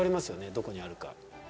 どこにあるか。